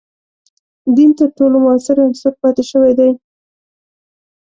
دین تر ټولو موثر عنصر پاتې شوی دی.